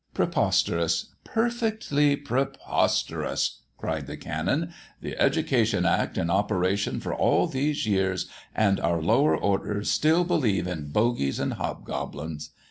"Preposterous! perfectly preposterous!" cried the Canon. "The Education Act in operation for all these years, and our lower orders still believe in bogies and hobgoblins!